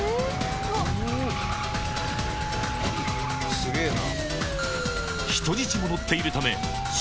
すげぇな！